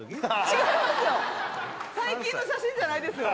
違いますよ最近の写真じゃないですよ